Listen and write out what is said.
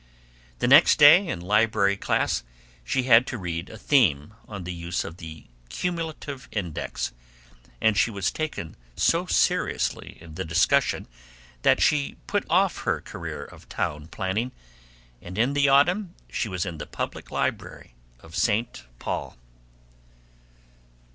The next day in library class she had to read a theme on the use of the Cumulative Index, and she was taken so seriously in the discussion that she put off her career of town planning and in the autumn she was in the public library of St. Paul.